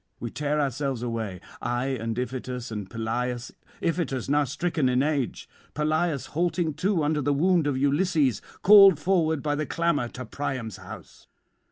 We tear ourselves away, I and Iphitus and Pelias, Iphitus now stricken in age, Pelias halting too under the wound of Ulysses, called forward by the clamour to Priam's house.